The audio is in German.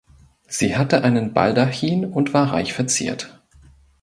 Sie hatte einen Baldachin und war reich verziert.